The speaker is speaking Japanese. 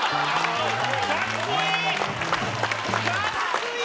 かっこいい！